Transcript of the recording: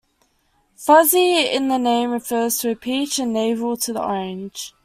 "Fuzzy" in the name refers to the peach, and "navel" to the orange.